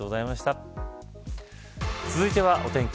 続いてはお天気